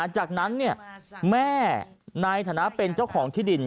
จากนั้นแม่นายฐานะเป็นเจ้าของที่ดิน